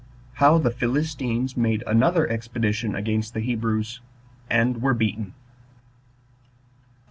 How The Philistines Made Another Expedition Against The Hebrews And Were Beaten.